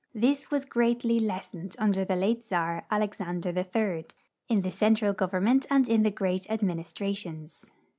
This was greatly lessened under the late czar, Alexander III, in the cen tral government and in the great administrations.